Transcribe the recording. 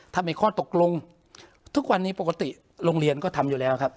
ถ้ามีข้อตกลงทุกวันนี้ปกติโรงเรียนก็ทำอยู่แล้วครับ